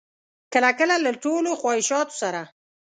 کله کله له ټولو خواهشاتو سره.